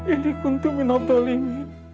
inni kuntu minal dhalimin